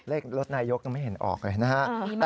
เลขรถนายกยังไม่เห็นออกเลยนะฮะ